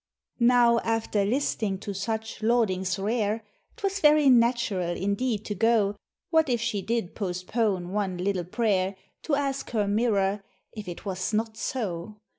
Now, after listing to such laudings rare, 'Twas very natural indeed to go What if she did postpone one little pray'r To ask her mirror "if it was not so?"